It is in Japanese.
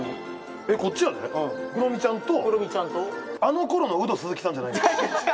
えっこっちやでクロミちゃんとクロミちゃんとあの頃のウド鈴木さんじゃないの？